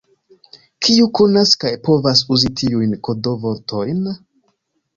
Kiu konas kaj povas uzi tiujn kodo-vortojn?